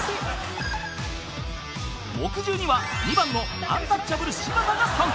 ［木１０には２番のアンタッチャブル柴田が参戦］